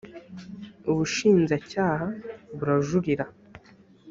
ubushinzacyaha burajurira.